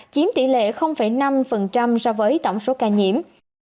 chiếm tỷ lệ năm so với tổng số ca nhiễm